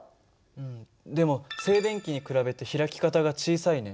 うんでも静電気に比べて開き方が小さいね。